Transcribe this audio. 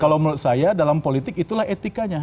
kalau menurut saya dalam politik itulah etikanya